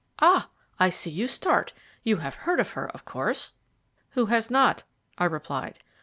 Ah! I see you start. You have heard of her, of course?" "Who has not?" I replied.